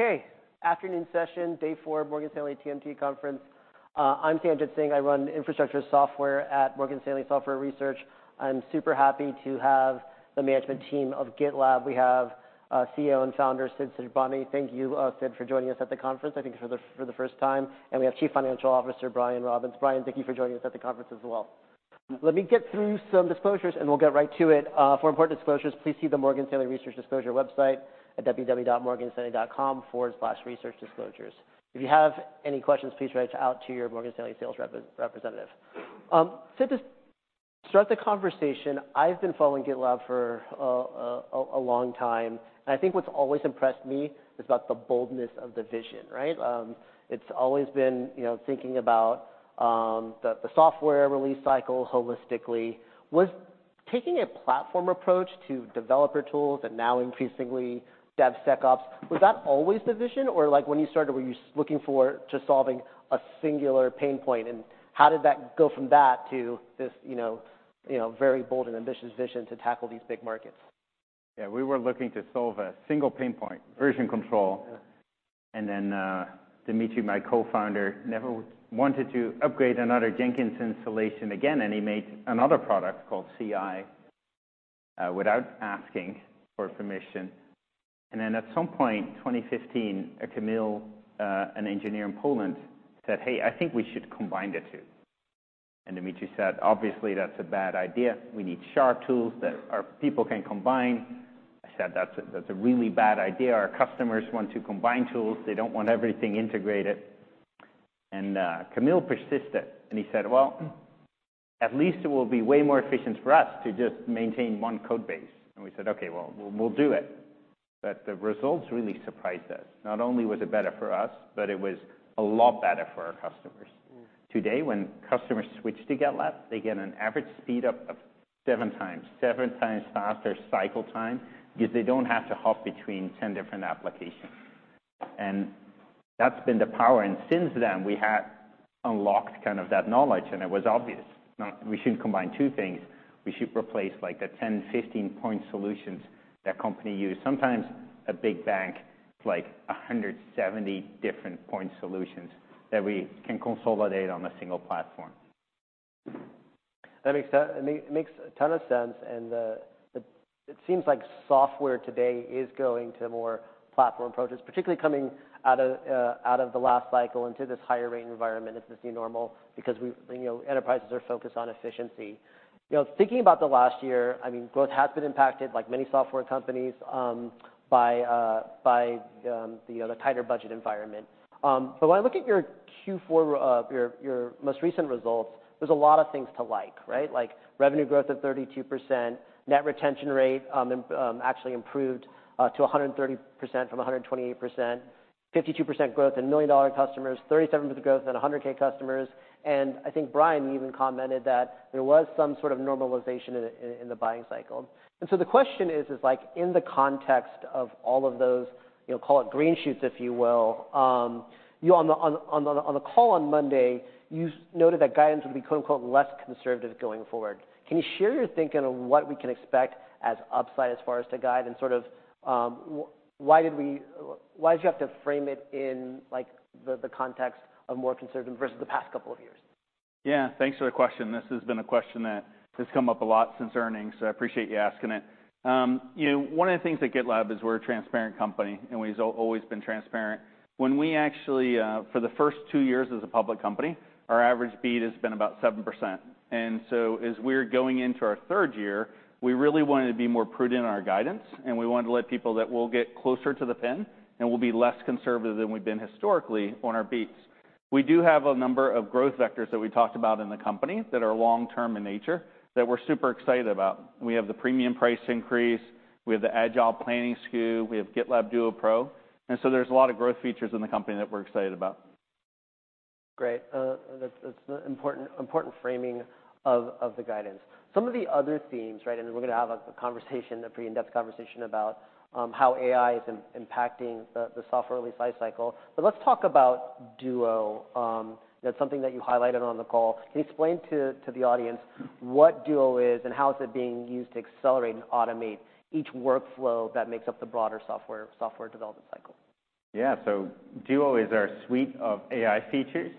Okay, afternoon session, day four of Morgan Stanley TMT Conference. I'm Sanjit Singh. I run infrastructure software at Morgan Stanley Software Research. I'm super happy to have the management team of GitLab. We have CEO and founder Sid Sijbrandij. Thank you, Sid, for joining us at the conference. I think for the first time. And we have Chief Financial Officer Brian Robins. Brian, thank you for joining us at the conference as well. Let me get through some disclosures, and we'll get right to it. For important disclosures, please see the Morgan Stanley Research Disclosure website at www.morganstanley.com/researchdisclosures. If you have any questions, please reach out to your Morgan Stanley sales representative. Sid, just to start the conversation, I've been following GitLab for a long time. And I think what's always impressed me is about the boldness of the vision, right? It's always been, you know, thinking about the software release cycle holistically. Was taking a platform approach to developer tools and now increasingly DevSecOps the vision? Or, like, when you started, were you just looking to solve a singular pain point? And how did that go from that to this, you know, you know, very bold and ambitious vision to tackle these big markets? Yeah, we were looking to solve a single pain point: version control. And then, Dmitriy, my co-founder, never wanted to upgrade another Jenkins installation again. And he made another product called CI, without asking for permission. And then at some point, 2015, a Kamil, an engineer in Poland, said, "Hey, I think we should combine the two." And Dmitriy said, "Obviously, that's a bad idea. We need sharp tools that our people can combine." I said, "That's a really bad idea. Our customers want to combine tools. They don't want everything integrated." And, Kamil persisted. And he said, "Well, at least it will be way more efficient for us to just maintain one code base." And we said, "Okay, well, we'll do it." But the results really surprised us. Not only was it better for us, but it was a lot better for our customers. Today, when customers switch to GitLab, they get an average speed up of 7x, 7x faster cycle time because they don't have to hop between 10 different applications. And that's been the power. And since then, we have unlocked kind of that knowledge. And it was obvious, not we shouldn't combine two things. We should replace, like, the 10, 15 point solutions that companies use. Sometimes a big bank, it's like 170 different point solutions that we can consolidate on a single platform. That makes a ton of sense. And it seems like software today is going to more platform approaches, particularly coming out of the last cycle into this higher rate environment. It's this new normal because, you know, enterprises are focused on efficiency. You know, thinking about the last year, I mean, growth has been impacted, like many software companies, by the tighter budget environment. But when I look at your Q4, your most recent results, there's a lot of things to like, right? Like, revenue growth of 32%, net retention rate actually improved to 130% from 128%, 52% growth in million-dollar customers, 37% growth in 100K customers. And I think Brian even commented that there was some sort of normalization in the buying cycle. And so the question is, like, in the context of all of those, you know, call it green shoots, if you will, you on the call on Monday, you noted that guidance would be, quote, unquote, "less conservative going forward." Can you share your thinking on what we can expect as upside as far as to guide and sort of, why did you have to frame it in, like, the, the context of more conservative versus the past couple of years? Yeah, thanks for the question. This has been a question that has come up a lot since earnings, so I appreciate you asking it. You know, one of the things at GitLab is we're a transparent company. And we've always been transparent. When we actually, for the first two years as a public company, our average beat has been about 7%. And so as we're going into our third year, we really wanted to be more prudent in our guidance. And we wanted to let people that will get closer to the pin, and we'll be less conservative than we've been historically on our beats. We do have a number of growth vectors that we talked about in the company that are long-term in nature that we're super excited about. We have the Premium price increase. We have the Agile Planning SKU. We have GitLab Duo Pro. There's a lot of growth features in the company that we're excited about. Great. That's an important framing of the guidance. Some of the other themes, right? And we're gonna have a pretty in-depth conversation about how AI is impacting the software release life cycle. But let's talk about Duo. That's something that you highlighted on the call. Can you explain to the audience what Duo is and how it's being used to accelerate and automate each workflow that makes up the broader software development cycle? Yeah, so Duo is our suite of AI features.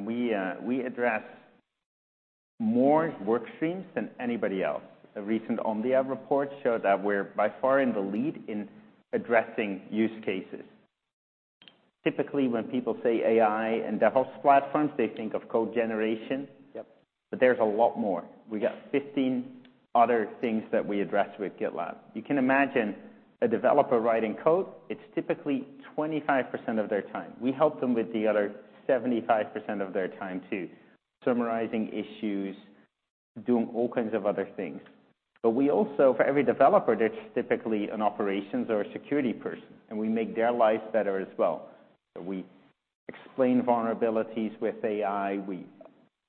We address more work streams than anybody else. A recent Omdia report showed that we're by far in the lead in addressing use cases. Typically, when people say AI and DevOps platforms, they think of code generation. Yep. But there's a lot more. We got 15 other things that we address with GitLab. You can imagine a developer writing code, it's typically 25% of their time. We help them with the other 75% of their time too, summarizing issues, doing all kinds of other things. But we also for every developer, there's typically an operations or a security person. And we make their lives better as well. So we explain vulnerabilities with AI. We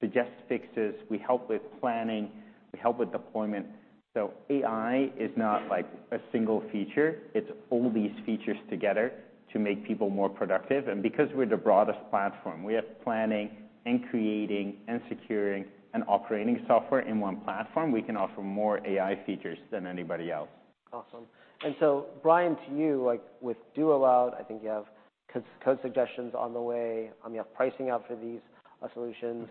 suggest fixes. We help with planning. We help with deployment. So AI is not, like, a single feature. It's all these features together to make people more productive. And because we're the broadest platform, we have planning and creating and securing and operating software in one platform, we can offer more AI features than anybody else. Awesome. And so, Brian, to you, like, with Duo out, I think you have Code Suggestions on the way. You have pricing out for these solutions.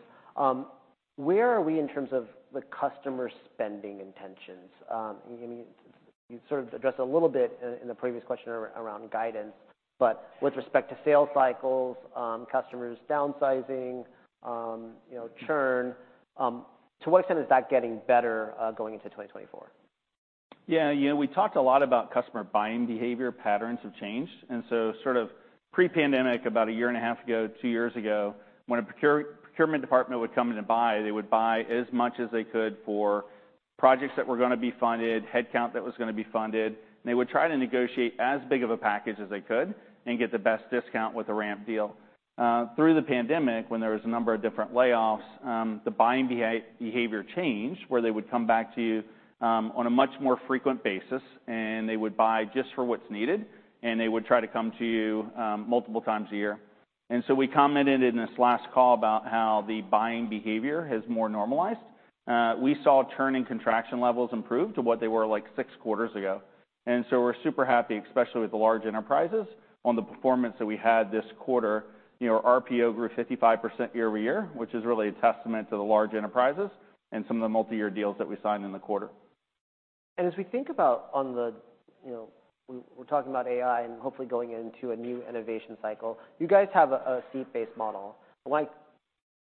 Where are we in terms of the customer spending intentions? You mean you sort of addressed a little bit in the previous question around guidance. But with respect to sales cycles, customers downsizing, you know, churn, to what extent is that getting better, going into 2024? Yeah, you know, we talked a lot about customer buying behavior patterns have changed. And so sort of pre-pandemic, about a year and a half ago, two years ago, when a procurement department would come in and buy, they would buy as much as they could for projects that were gonna be funded, headcount that was gonna be funded. And they would try to negotiate as big of a package as they could and get the best discount with a ramp deal. Through the pandemic, when there was a number of different layoffs, the buying behavior changed where they would come back to you, on a much more frequent basis. And they would buy just for what's needed. And they would try to come to you, multiple times a year. And so we commented in this last call about how the buying behavior has more normalized. We saw churn and contraction levels improve to what they were, like, six quarters ago. And so we're super happy, especially with the large enterprises, on the performance that we had this quarter. You know, our RPO grew 55% year-over-year, which is really a testament to the large enterprises and some of the multi-year deals that we signed in the quarter. As we think about, on the, you know, we're talking about AI and hopefully going into a new innovation cycle, you guys have a SaaS-based model. Like,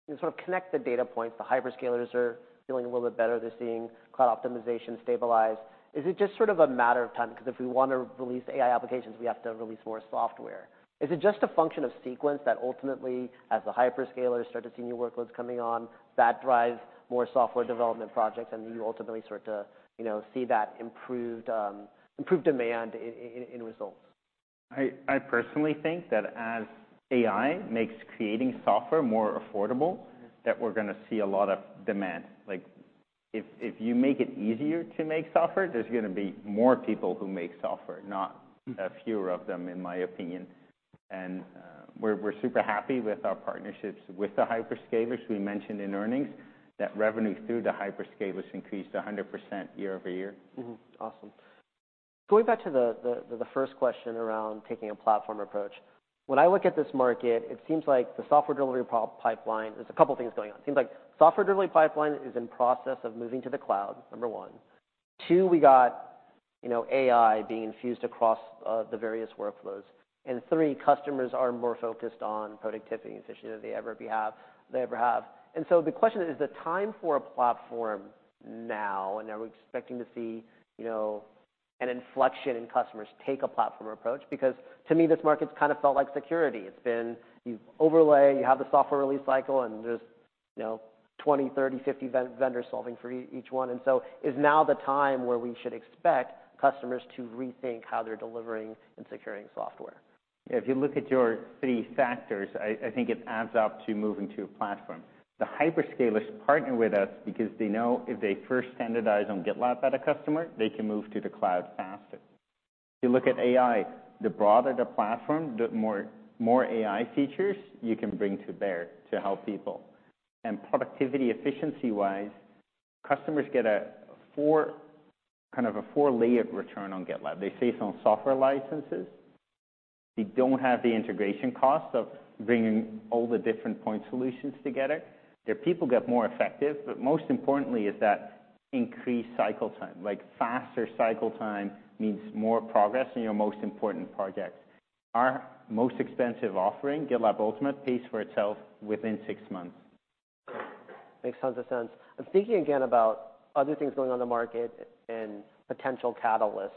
you sort of connect the data points. The hyperscalers are feeling a little bit better. They're seeing cloud optimization stabilize. Is it just sort of a matter of time? Because if we wanna release AI applications, we have to release more software. Is it just a function of sequence that ultimately, as the hyperscalers start to see new workloads coming on, that drives more software development projects and you ultimately sort of, you know, see that improved demand in results? I personally think that as AI makes creating software more affordable, that we're gonna see a lot of demand. Like, if you make it easier to make software, there's gonna be more people who make software, not fewer of them, in my opinion. We're super happy with our partnerships with the hyperscalers. We mentioned in earnings that revenue through the hyperscalers increased 100% year-over-year. Mm-hmm. Awesome. Going back to the first question around taking a platform approach, when I look at this market, it seems like the software delivery pro pipeline there's a couple of things going on. It seems like software delivery pipeline is in process of moving to the cloud, number one. Two, we got, you know, AI being infused across the various workflows. And three, customers are more focused on productivity and efficiency than they ever have. And so the question is, is the time for a platform now? And are we expecting to see, you know, an inflection in customers take a platform approach? Because to me, this market's kinda felt like security. It's been you overlay. You have the software release cycle. And there's, you know, 20, 30, 50 vendors solving for each one. And so is now the time where we should expect customers to rethink how they're delivering and securing software? Yeah, if you look at your three factors, I, I think it adds up to moving to a platform. The hyperscalers partner with us because they know if they first standardize on GitLab at a customer, they can move to the cloud faster. If you look at AI, the broader the platform, the more, more AI features you can bring to bear to help people. And productivity efficiency-wise, customers get a four kind of a four-layered return on GitLab. They save some software licenses. They don't have the integration costs of bringing all the different point solutions together. Their people get more effective. But most importantly is that increased cycle time. Like, faster cycle time means more progress in your most important projects. Our most expensive offering, GitLab Ultimate, pays for itself within six months. Makes tons of sense. I'm thinking again about other things going on the market and potential catalysts.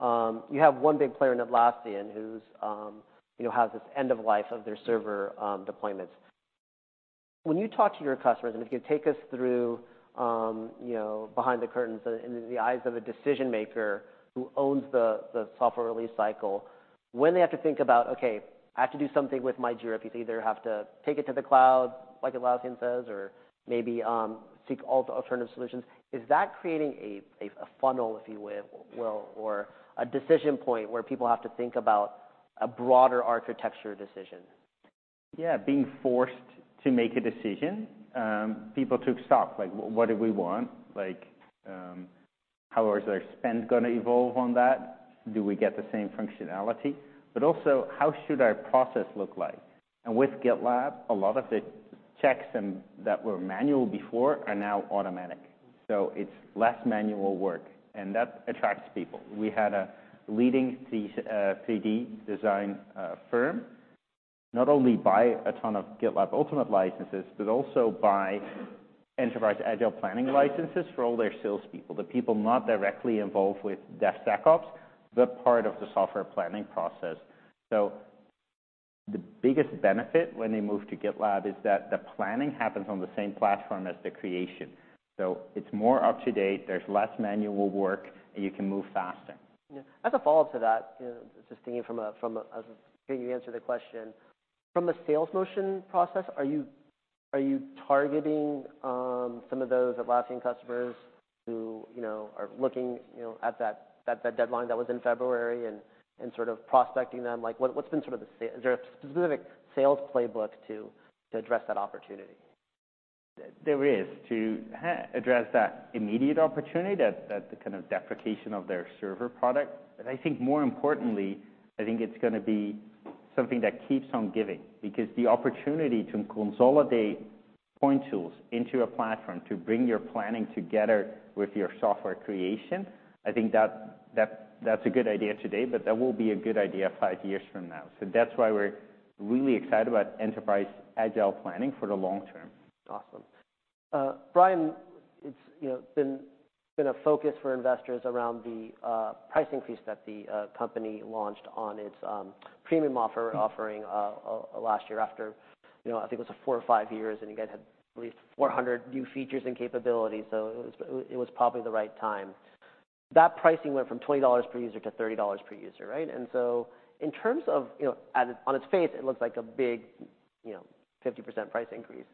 You have one big player in Atlassian who's, you know, has this end-of-life of their server deployments. When you talk to your customers and if you could take us through, you know, behind the curtains and in the eyes of a decision maker who owns the software release cycle, when they have to think about, "Okay, I have to do something with my Jira piece," they either have to take it to the cloud, like Atlassian says, or maybe seek alternative solutions. Is that creating a funnel, if you will, or a decision point where people have to think about a broader architecture decision? Yeah, being forced to make a decision. People took stock. Like, what do we want? Like, how is our spend gonna evolve on that? Do we get the same functionality? But also, how should our process look like? And with GitLab, a lot of the checks and that were manual before are now automatic. So it's less manual work. And that attracts people. We had a leading 3D design firm not only buy a ton of GitLab Ultimate licenses but also buy Enterprise Agile Planning licenses for all their salespeople, the people not directly involved with DevSecOps, but part of the software planning process. So the biggest benefit when they move to GitLab is that the planning happens on the same platform as the creation. So it's more up to date. There's less manual work. And you can move faster. Yeah. As a follow-up to that, you know, just thinking from a, as a hearing you answer the question, from the sales motion process, are you targeting some of those Atlassian customers who, you know, are looking, you know, at that deadline that was in February and sort of prospecting them? Like, what, what's been sort of the, is there a specific sales playbook to address that opportunity? There is too hard to address that immediate opportunity at the kind of deprecation of their server product. But I think more importantly, I think it's gonna be something that keeps on giving because the opportunity to consolidate point tools into a platform to bring your planning together with your software creation, I think that's a good idea today. But that will be a good idea five years from now. So that's why we're really excited about Enterprise Agile Planning for the long term. Awesome. Brian, it's you know been a focus for investors around the pricing piece that the company launched on its Premium offering last year after, you know, I think it was four or five years. You guys had released 400 new features and capabilities. It was probably the right time. That pricing went from $20-$30 per user, right? So in terms of, you know, on its face, it looks like a big, you know, 50% price increase.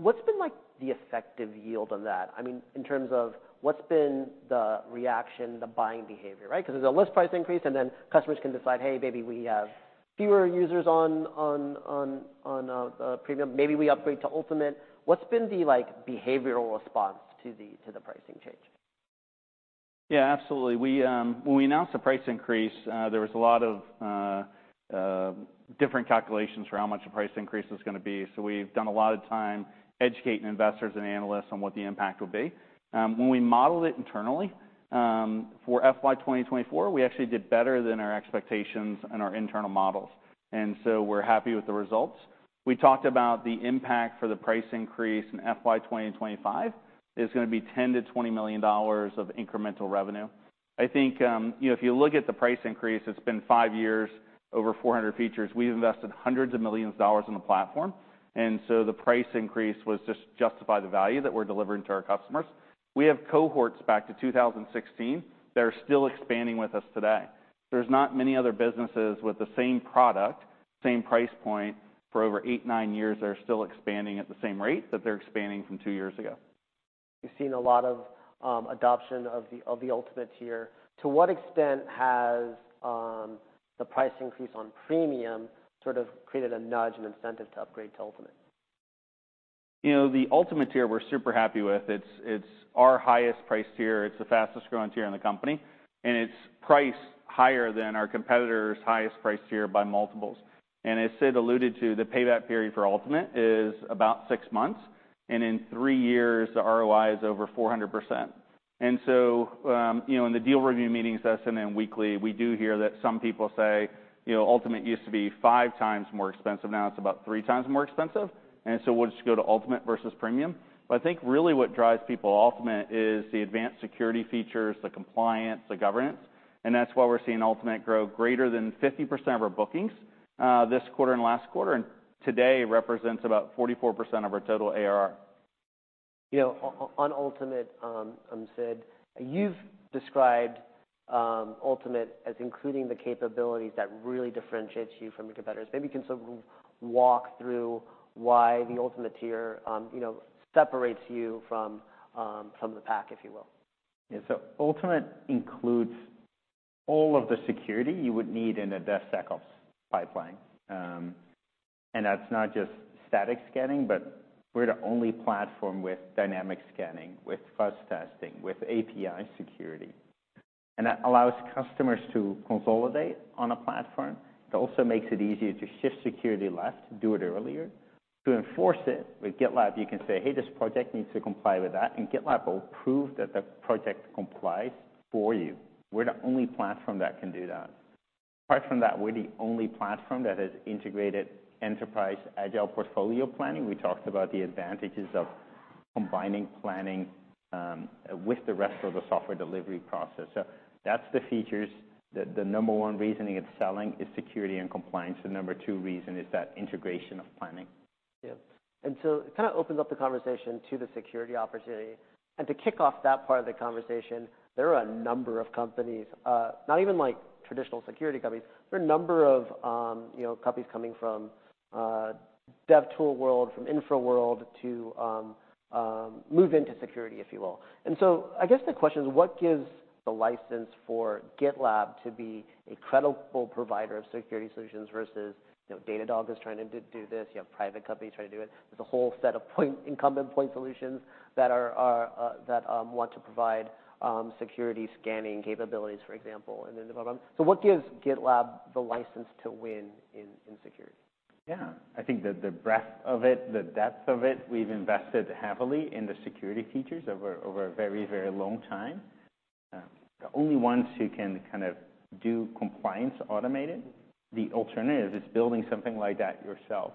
What's been like the effective yield on that? I mean, in terms of what's been the reaction, the buying behavior, right? Because there's less price increase. And then customers can decide, "Hey, maybe we have fewer users on the Premium. Maybe we upgrade to Ultimate." What's been the, like, behavioral response to the pricing change? Yeah, absolutely. We, when we announced the price increase, there was a lot of different calculations for how much the price increase was gonna be. So we've done a lot of time educating investors and analysts on what the impact would be. When we modeled it internally, for FY 2024, we actually did better than our expectations and our internal models. And so we're happy with the results. We talked about the impact for the price increase in FY 2025 is gonna be $10 million-$20 million of incremental revenue. I think, you know, if you look at the price increase, it's been 5 years, over 400 features. We've invested hundreds of millions of dollars in the platform. And so the price increase was just justify the value that we're delivering to our customers. We have cohorts back to 2016 that are still expanding with us today. There's not many other businesses with the same product, same price point for over 8, 9 years that are still expanding at the same rate that they're expanding from 2 years ago. You've seen a lot of adoption of the Ultimate tier. To what extent has the price increase on Premium sort of created a nudge and incentive to upgrade to Ultimate? You know, the Ultimate tier, we're super happy with. It's, it's our highest price tier. It's the fastest growing tier in the company. And it's priced higher than our competitor's highest price tier by multiples. And as Sid alluded to, the payback period for Ultimate is about 6 months. And in 3 years, the ROI is over 400%. And so, you know, in the deal review meetings that's in and weekly, we do hear that some people say, you know, Ultimate used to be 5 times more expensive. Now it's about 3 times more expensive. And so we'll just go to Ultimate versus Premium. But I think really what drives people to Ultimate is the advanced security features, the compliance, the governance. And that's why we're seeing Ultimate grow greater than 50% of our bookings, this quarter and last quarter. And today represents about 44% of our total ARR. You know, on Ultimate, Sid, you've described Ultimate as including the capabilities that really differentiates you from your competitors. Maybe you can sort of walk through why the Ultimate tier, you know, separates you from, from the pack, if you will. Yeah. So Ultimate includes all of the security you would need in a DevSecOps pipeline. And that's not just static scanning. But we're the only platform with dynamic scanning, with fuzz testing, with API security. And that allows customers to consolidate on a platform. It also makes it easier to shift security left, do it earlier. To enforce it with GitLab, you can say, "Hey, this project needs to comply with that." And GitLab will prove that the project complies for you. We're the only platform that can do that. Apart from that, we're the only platform that has integrated enterprise agile portfolio planning. We talked about the advantages of combining planning with the rest of the software delivery process. So that's the features. The number one reasoning it's selling is security and compliance. The number two reason is that integration of planning. Yeah. So it kinda opens up the conversation to the security opportunity. To kick off that part of the conversation, there are a number of companies, not even, like, traditional security companies. There are a number of, you know, companies coming from dev tool world, from infra world to move into security, if you will. So I guess the question is, what gives the license for GitLab to be a credible provider of security solutions versus, you know, Datadog is trying to do this. You have private companies trying to do it. There's a whole set of incumbent point solutions that want to provide security scanning capabilities, for example, and then develop them. So what gives GitLab the license to win in security? Yeah. I think the breadth of it, the depth of it, we've invested heavily in the security features over a very long time. The only ones who can kind of do compliance automated, the alternative is building something like that yourself.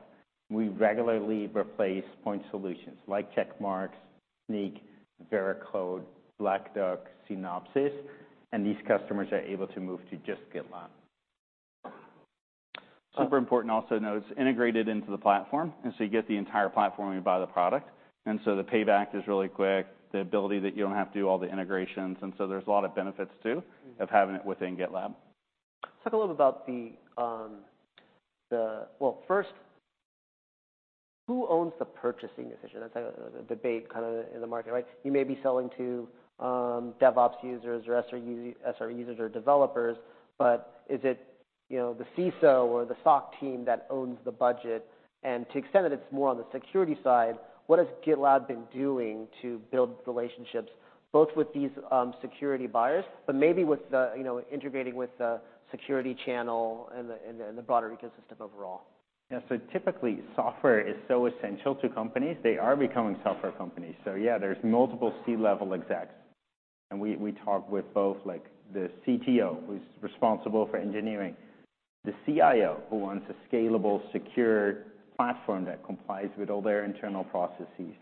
We regularly replace point solutions like Checkmarx, Snyk, Veracode, Black Duck, Synopsys. And these customers are able to move to just GitLab. Super important also to know, it's integrated into the platform. And so you get the entire platform. You buy the product. And so the payback is really quick, the ability that you don't have to do all the integrations. And so there's a lot of benefits too of having it within GitLab. Talk a little bit about the well, first, who owns the purchasing decision? That's like a debate kinda in the market, right? You may be selling to DevOps users or SRU users or developers. But is it, you know, the CISO or the SOC team that owns the budget? And to extend it, it's more on the security side. What has GitLab been doing to build relationships both with these security buyers but maybe with the, you know, integrating with the security channel and the broader ecosystem overall? Yeah. So typically, software is so essential to companies, they are becoming software companies. So yeah, there's multiple C-level execs. And we talk with both, like, the CTO who's responsible for engineering, the CIO who wants a scalable, secure platform that complies with all their internal processes,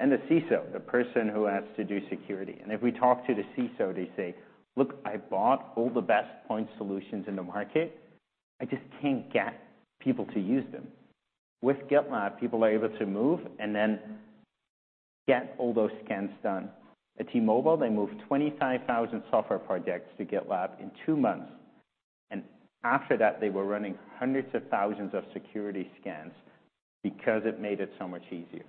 and the CISO, the person who has to do security. And if we talk to the CISO, they say, "Look, I bought all the best point solutions in the market. I just can't get people to use them." With GitLab, people are able to move and then get all those scans done. At T-Mobile, they moved 25,000 software projects to GitLab in two months. And after that, they were running hundreds of thousands of security scans because it made it so much easier.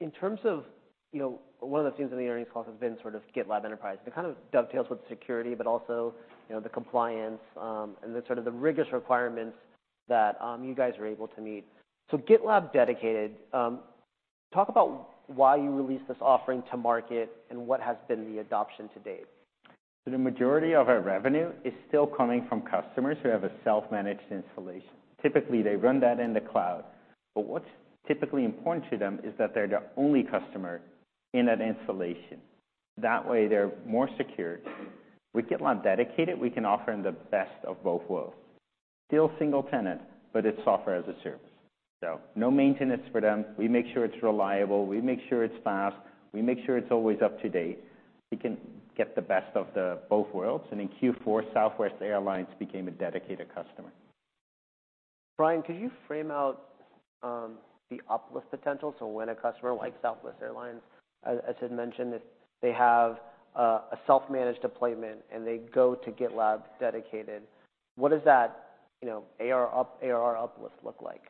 In terms of, you know, one of the themes in the earnings calls has been sort of GitLab Enterprise. It kind of dovetails with security but also, you know, the compliance, and the sort of the rigorous requirements that, you guys are able to meet. So, GitLab Dedicated, talk about why you released this offering to market and what has been the adoption to date. So the majority of our revenue is still coming from customers who have a self-managed installation. Typically, they run that in the cloud. But what's typically important to them is that they're the only customer in that installation. That way, they're more secured. With GitLab Dedicated, we can offer them the best of both worlds. Still single-tenant. But it's software-as-a-service. So no maintenance for them. We make sure it's reliable. We make sure it's fast. We make sure it's always up to date. They can get the best of the both worlds. And in Q4, Southwest Airlines became a Dedicated customer. Brian, could you frame out the uplift potential? So when a customer like Southwest Airlines, as Sid mentioned, if they have a self-managed deployment and they go to GitLab Dedicated, what does that, you know, ARR uplift look like?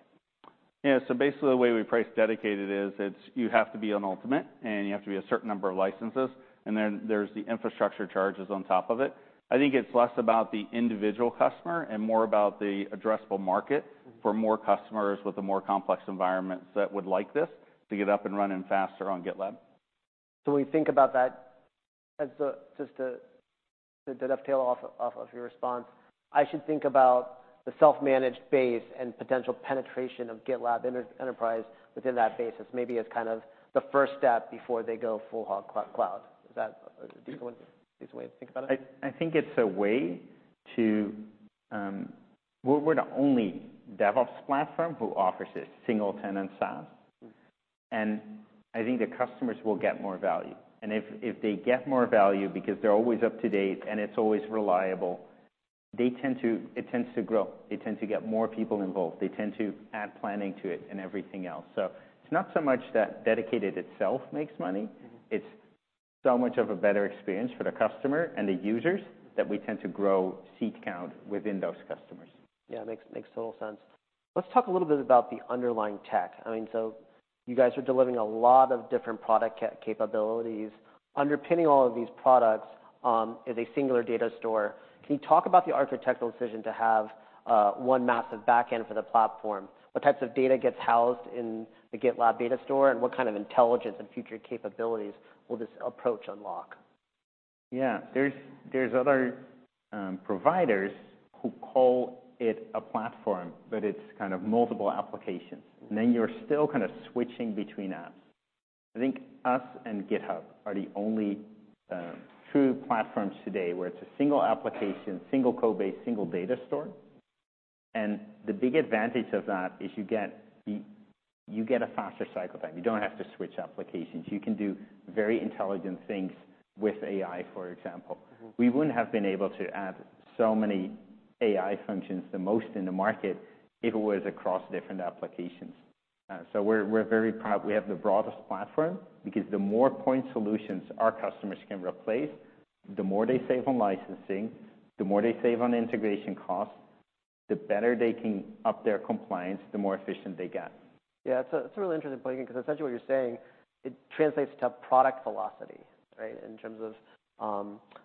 Yeah. So basically, the way we price Dedicated is, it's you have to be on Ultimate. You have to be a certain number of licenses. Then there's the infrastructure charges on top of it. I think it's less about the individual customer and more about the addressable market for more customers with a more complex environment that would like this to get up and running faster on GitLab. So when we think about that as just a way to dovetail off your response, I should think about the self-managed base and potential penetration of GitLab Enterprise within that base maybe as kind of the first step before they go full hog cloud. Is that a decent way to think about it? I think it's a way to. We're the only DevOps platform who offers a single-tenant SaaS. I think the customers will get more value. If they get more value because they're always up to date and it's always reliable, it tends to grow. They tend to get more people involved. They tend to add planning to it and everything else. So it's not so much that dedicated itself makes money. It's so much of a better experience for the customer and the users that we tend to grow seat count within those customers. Yeah. Makes total sense. Let's talk a little bit about the underlying tech. I mean, so you guys are delivering a lot of different product capabilities. Underpinning all of these products, is a singular data store. Can you talk about the architectural decision to have one massive backend for the platform? What types of data gets housed in the GitLab data store? And what kind of intelligence and future capabilities will this approach unlock? Yeah. There's other providers who call it a platform. But it's kind of multiple applications. And then you're still kinda switching between apps. I think us and GitHub are the only true platforms today where it's a single application, single code base, single data store. And the big advantage of that is you get a faster cycle time. You don't have to switch applications. You can do very intelligent things with AI, for example. We wouldn't have been able to add so many AI functions, the most in the market, if it was across different applications. So we're very proud we have the broadest platform because the more point solutions our customers can replace, the more they save on licensing, the more they save on integration costs, the better they can up their compliance, the more efficient they get. Yeah. It's a really interesting point again. Because essentially, what you're saying, it translates to product velocity, right, in terms of,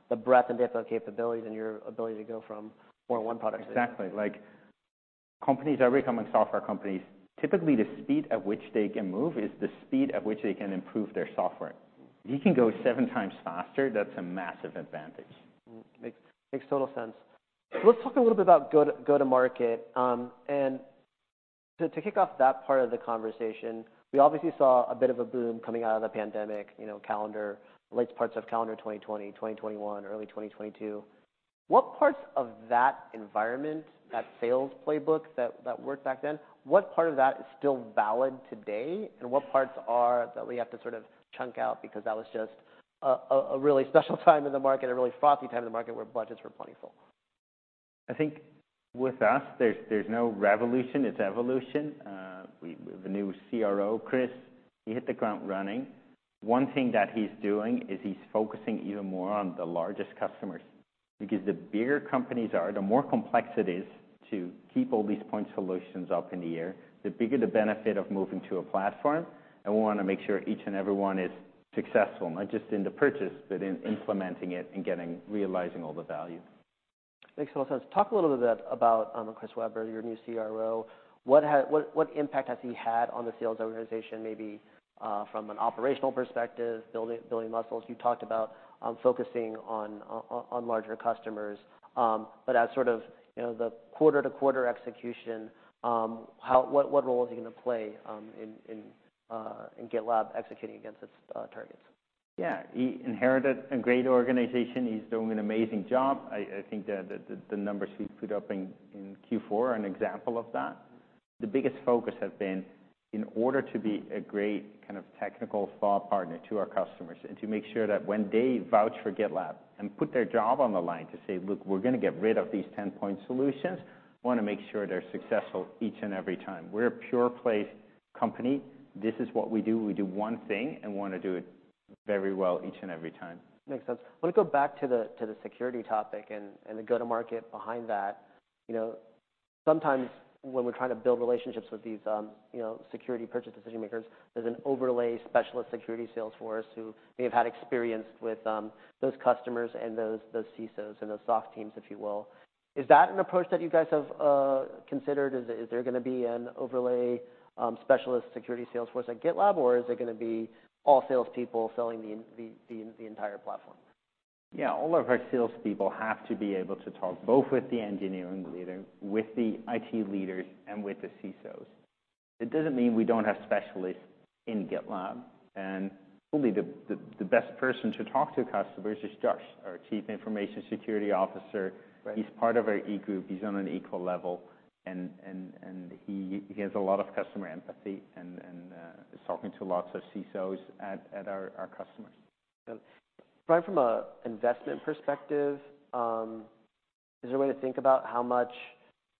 the breadth and depth of capabilities and your ability to go from more than one product to the other. Exactly. Like, companies are becoming software companies. Typically, the speed at which they can move is the speed at which they can improve their software. If you can go 7x faster, that's a massive advantage. Makes, makes total sense. So let's talk a little bit about go-to market. And to kick off that part of the conversation, we obviously saw a bit of a boom coming out of the pandemic, you know, late parts of calendar 2020, 2021, early 2022. What parts of that environment, that sales playbook that worked back then, what part of that is still valid today? And what parts are that we have to sort of chunk out because that was just a really special time in the market, a really frothy time in the market where budgets were plentiful? I think with us, there's, there's no revolution. It's evolution. We, we have a new CRO, Chris. He hit the ground running. One thing that he's doing is he's focusing even more on the largest customers. Because the bigger companies are, the more complex it is to keep all these point solutions up in the air, the bigger the benefit of moving to a platform. And we wanna make sure each and everyone is successful, not just in the purchase but in implementing it and getting realizing all the value. Makes total sense. Talk a little bit about, Chris Weber, your new CRO. What impact has he had on the sales organization maybe, from an operational perspective, building muscles? You talked about, focusing on larger customers. But as sort of, you know, the quarter to quarter execution, what role is he gonna play, in GitLab executing against its targets? Yeah. He inherited a great organization. He's doing an amazing job. I think that the numbers he put up in Q4 are an example of that. The biggest focus has been, in order to be a great kind of technical thought partner to our customers and to make sure that when they vouch for GitLab and put their job on the line to say, "Look, we're gonna get rid of these 10 point solutions," we wanna make sure they're successful each and every time. We're a pure-play company. This is what we do. We do one thing. And we wanna do it very well each and every time. Makes sense. I wanna go back to the security topic and the go-to-market behind that. You know, sometimes when we're trying to build relationships with these, you know, security purchase decision makers, there's an overlay specialist security sales force who may have had experience with those customers and those CISOs and those SOC teams, if you will. Is that an approach that you guys have considered? Is there gonna be an overlay specialist security sales force at GitLab? Or is it gonna be all salespeople selling the entire platform? Yeah. All of our salespeople have to be able to talk both with the engineering leader, with the IT leaders, and with the CISOs. It doesn't mean we don't have specialists in GitLab. And truly, the best person to talk to customers is Josh, our Chief Information Security Officer. He's part of our e-group. He's on an equal level. And he has a lot of customer empathy and is talking to lots of CISOs at our customers. Probably from an investment perspective, is there a way to think about how much,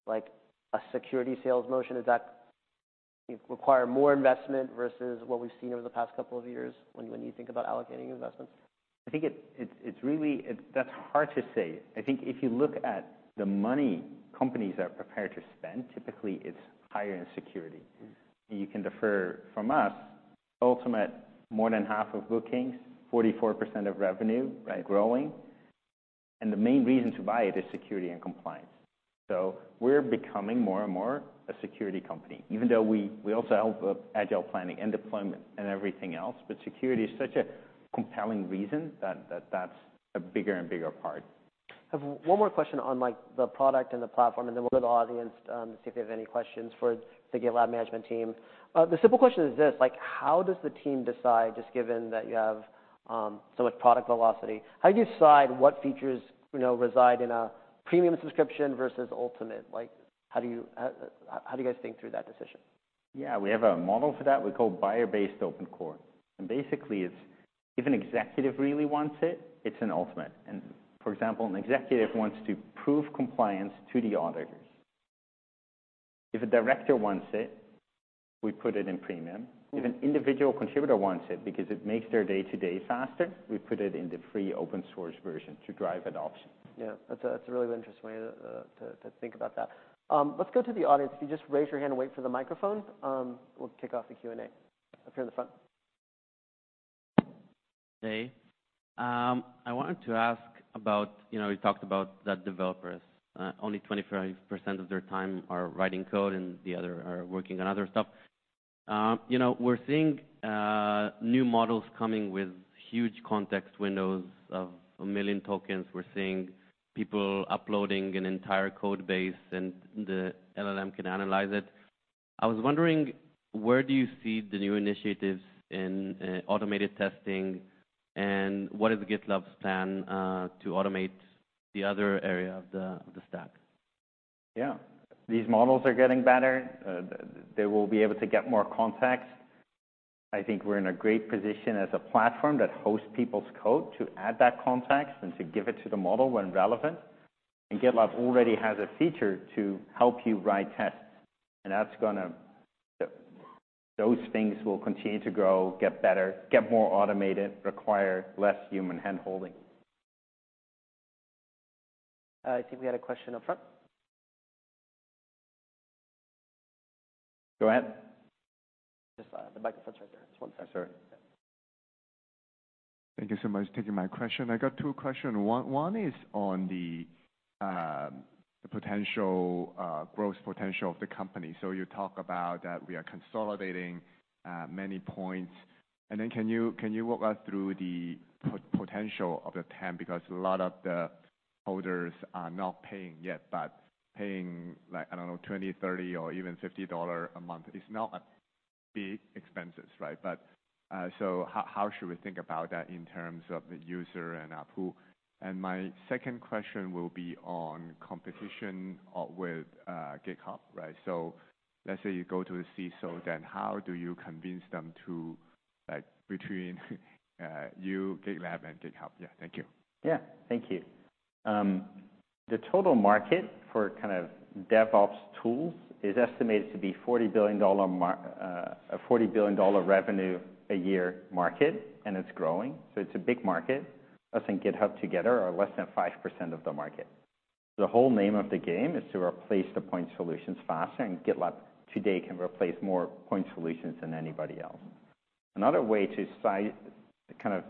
like, a security sales motion does that require more investment versus what we've seen over the past couple of years when you think about allocating investments? I think it's really hard to say. I think if you look at the money companies are prepared to spend, typically, it's higher in security. And you can infer from our Ultimate, more than half of bookings, 44% of revenue, right, growing. And the main reason to buy it is security and compliance. So we're becoming more and more a security company even though we also help with Agile Planning and deployment and everything else. But security is such a compelling reason that that's a bigger and bigger part. Have one more question on, like, the product and the platform. And then we'll go to the audience, to see if they have any questions for the GitLab management team. The simple question is this. Like, how does the team decide, just given that you have so much product velocity, how do you decide what features, you know, reside in a Premium subscription versus Ultimate? Like, how do you, how do you guys think through that decision? Yeah. We have a model for that. We call Buyer-Based Open Core. And basically, it's if an executive really wants it, it's an Ultimate. And for example, an executive wants to prove compliance to the auditors. If a director wants it, we put it in Premium. If an individual contributor wants it because it makes their day-to-day faster, we put it in the free open source version to drive adoption. Yeah. That's a really interesting way to think about that. Let's go to the audience. If you just raise your hand and wait for the microphone, we'll kick off the Q&A up here in the front. Hey. I wanted to ask about, you know, we talked about that developers only 25% of their time are writing code. And the other are working on other stuff. You know, we're seeing new models coming with huge context windows of 1 million tokens. We're seeing people uploading an entire code base. And the LLM can analyze it. I was wondering where do you see the new initiatives in automated testing? And what is GitLab's plan to automate the other area of the of the stack? Yeah. These models are getting better. They will be able to get more context. I think we're in a great position as a platform that hosts people's code to add that context and to give it to the model when relevant. And GitLab already has a feature to help you write tests. And that's gonna those things will continue to grow, get better, get more automated, require less human hand-holding. I think we had a question up front. Go ahead. Just, the microphone's right there. Just one second. I'm sorry. Thank you so much for taking my question. I got two questions. One is on the potential, growth potential of the company. So you talk about that we are consolidating many points. And then can you walk us through the potential of the Duo? Because a lot of the holders are not paying yet but paying, like, I don't know, 20, 30, or even $50 a month. It's not a big expense, right? But so how should we think about that in terms of user adoption and my second question will be on competition with GitHub, right? So let's say you go to the CISO. Then how do you convince them to, like, between you, GitLab, and GitHub? Yeah. Thank you. Yeah. Thank you. The total market for kind of DevOps tools is estimated to be a $40 billion market, a $40 billion revenue a year market. And it's growing. So it's a big market. We and GitHub together are less than 5% of the market. The whole name of the game is to replace the point solutions faster. And GitLab today can replace more point solutions than anybody else. Another way to size kind of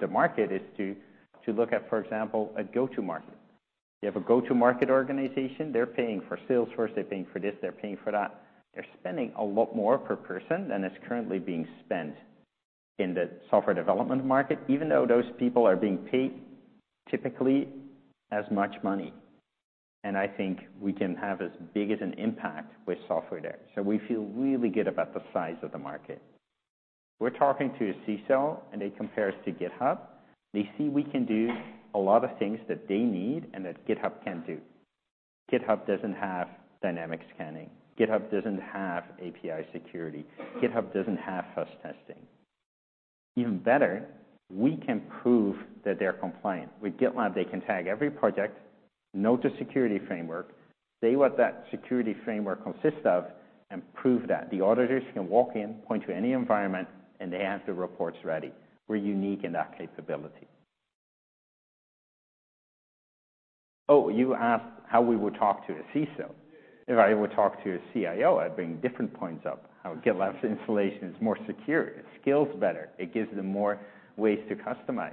the market is to look at, for example, a go-to-market. You have a go-to-market organization. They're paying for Salesforce. They're paying for this. They're paying for that. They're spending a lot more per person than is currently being spent in the software development market even though those people are being paid typically as much money. And I think we can have as big an impact with software there. So we feel really good about the size of the market. We're talking to a CISO. They compare us to GitHub. They see we can do a lot of things that they need and that GitHub can't do. GitHub doesn't have dynamic scanning. GitHub doesn't have API security. GitHub doesn't have fuzz testing. Even better, we can prove that they're compliant. With GitLab, they can tag every project, note the security framework, say what that security framework consists of, and prove that. The auditors can walk in, point to any environment. They have the reports ready. We're unique in that capability. Oh, you asked how we would talk to a CISO. If I would talk to a CIO, I'd bring different points up, how GitLab's installation is more secure, it scales better, it gives them more ways to customize.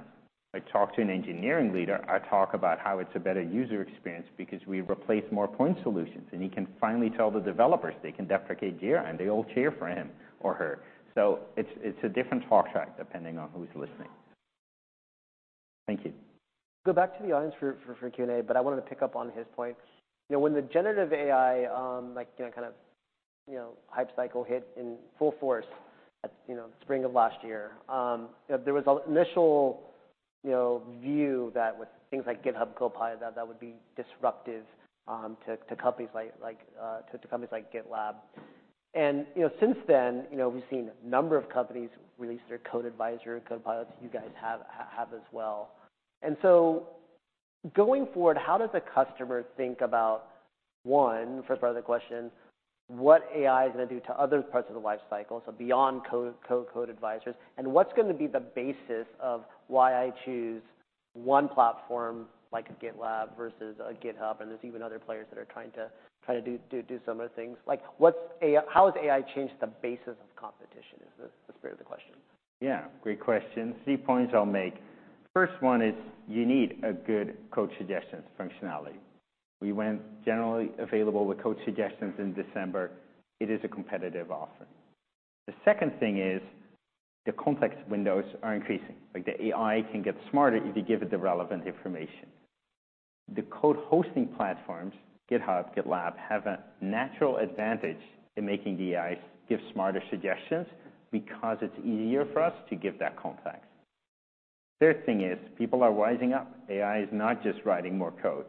I talk to an engineering leader. I talk about how it's a better user experience because we replace more point solutions. And he can finally tell the developers they can deprecate Jira. And they all cheer for him or her. So it's a different talk track depending on who's listening. Thank you. Go back to the audience for Q&A. But I wanted to pick up on his point. You know, when the generative AI, like, you know, kind of, you know, hype cycle hit in full force at, you know, spring of last year, you know, there was a initial, you know, view that with things like GitHub Copilot, that that would be disruptive, to companies like GitLab. And, you know, since then, you know, we've seen a number of companies release their code advisor, code pilots you guys have as well. And so going forward, how does a customer think about, one, first part of the question, what AI is gonna do to other parts of the life cycle, so beyond code advisors? And what's gonna be the basis of why I choose one platform like GitLab versus GitHub? There's even other players that are trying to do some other things. Like, "What's AI? How has AI changed the basis of competition?" is the spirit of the question. Yeah. Great question. Three points I'll make. First one is you need a good Code Suggestions functionality. We went generally available with Code Suggestions in December. It is a competitive offer. The second thing is the context windows are increasing. Like, the AI can get smarter if you give it the relevant information. The code hosting platforms, GitHub, GitLab, have a natural advantage in making the AIs give smarter suggestions because it's easier for us to give that context. Third thing is people are rising up. AI is not just writing more code.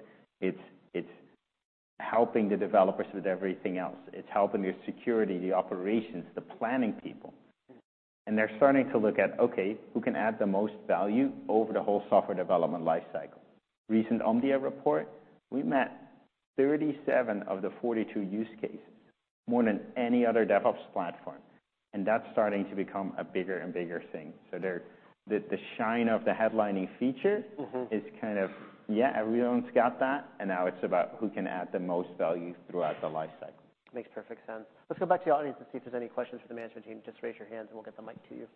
It's, it's helping the developers with everything else. It's helping their security, the operations, the planning people. And they're starting to look at, okay, who can add the most value over the whole software development life cycle. Recent Omdia report, we met 37 of the 42 use cases, more than any other DevOps platform. That's starting to become a bigger and bigger thing. So they're the shine of the headlining feature. Mm-hmm. It's kind of, yeah, everyone's got that. And now it's about who can add the most value throughout the life cycle. Makes perfect sense. Let's go back to the audience and see if there's any questions for the management team. Just raise your hands. We'll get the mic to you.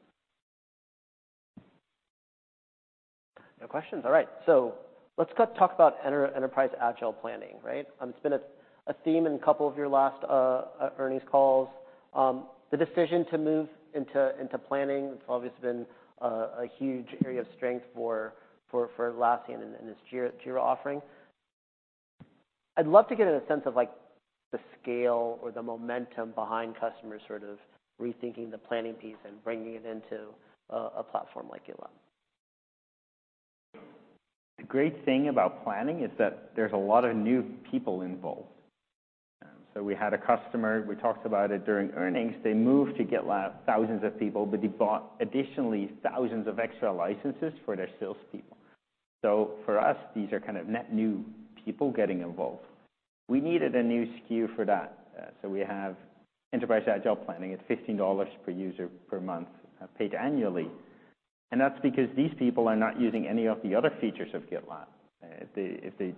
No questions. All right. So let's talk about Enterprise Agile Planning, right? It's been a theme in a couple of your last earnings calls. The decision to move into planning, it's obviously been a huge area of strength for Atlassian and this Jira offering. I'd love to get a sense of, like, the scale or the momentum behind customers sort of rethinking the planning piece and bringing it into a platform like GitLab. The great thing about planning is that there's a lot of new people involved. So we had a customer. We talked about it during earnings. They moved to GitLab, thousands of people. But they bought additionally thousands of extra licenses for their salespeople. So for us, these are kind of net new people getting involved. We needed a new SKU for that. So we have Enterprise Agile Planning. It's $15 per user per month, paid annually. And that's because these people are not using any of the other features of GitLab. If they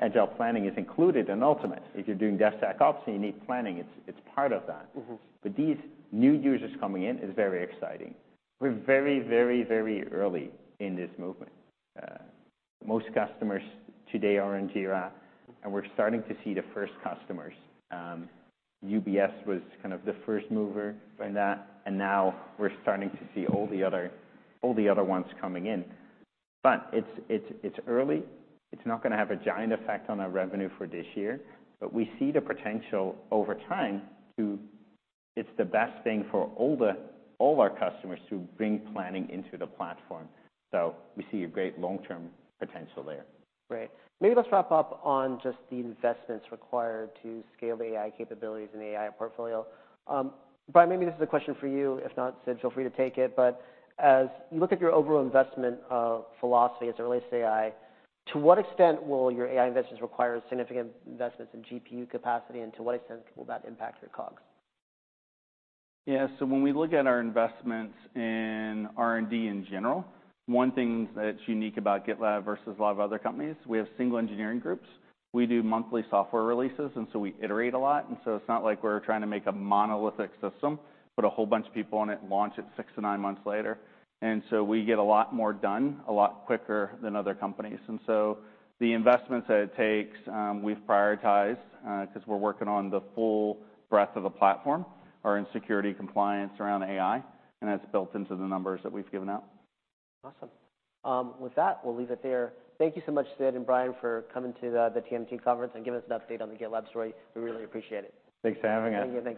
Agile Planning is included in Ultimate. If you're doing DevSecOps and you need planning, it's part of that. Mm-hmm. But these new users coming in is very exciting. We're very, very, very early in this movement. Most customers today are in Jira. We're starting to see the first customers. UBS was kind of the first mover in that. Now we're starting to see all the other all the other ones coming in. But it's, it's, it's early. It's not gonna have a giant effect on our revenue for this year. But we see the potential over time to it's the best thing for all the all our customers to bring planning into the platform. So we see a great long-term potential there. Great. Maybe let's wrap up on just the investments required to scale the AI capabilities in the AI portfolio. Brian, maybe this is a question for you. If not, Sid, feel free to take it. But as you look at your overall investment philosophy as it relates to AI, to what extent will your AI investments require significant investments in GPU capacity? And to what extent will that impact your COGS? Yeah. So when we look at our investments in R&D in general, one thing that's unique about GitLab versus a lot of other companies: we have single engineering groups. We do monthly software releases. And so we iterate a lot. And so it's not like we're trying to make a monolithic system, put a whole bunch of people on it, launch it 6-9 months later. And so we get a lot more done a lot quicker than other companies. And so the investments that it takes, we've prioritized, 'cause we're working on the full breadth of the platform, our security, compliance around AI. And that's built into the numbers that we've given out. Awesome. With that, we'll leave it there. Thank you so much, Sid and Brian, for coming to the TMT conference and giving us an update on the GitLab story. We really appreciate it. Thanks for having us. Thank you.